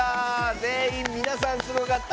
全員、皆さん、すごかった！